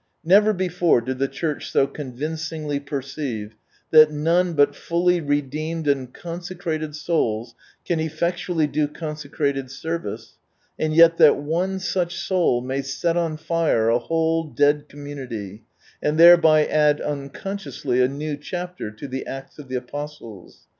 Never before did the Church so convincingly perceive that none bui fully redeemed and consecrated souls can effectually do consecrated service, and yet that one such soul may set on fire a whole dead community, and thereby add unconsciously a new chapter lo the Acts of the Apostles.